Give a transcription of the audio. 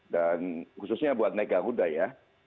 dan khususnya buat naik garuda ya